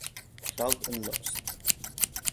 Cloud and lost.